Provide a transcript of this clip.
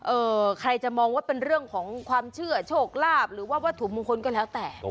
ใครจะมองว่าเป็นเรื่องของความเชื่อโชคลาภหรือว่าวัตถุมงคลก็แล้วแต่